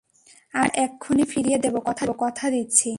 আমি এটা এক্ষুনি ফিরিয়ে দেব, কথা দিচ্ছি।